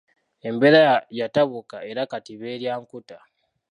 Embeera yatabuka era kati beerya nkuta.